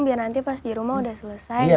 biar nanti pas di rumah udah selesai